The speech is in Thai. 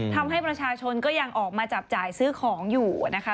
ทำให้ประชาชนก็ยังออกมาจับจ่ายซื้อของอยู่นะคะ